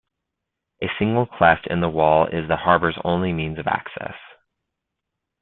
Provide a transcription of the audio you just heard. A single cleft in the wall is the harbor's only means of access.